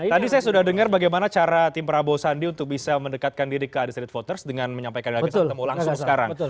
tadi saya sudah dengar bagaimana cara tim prabowo sandi untuk bisa mendekatkan diri ke undecided voters dengan menyampaikan lagi ketemu langsung sekarang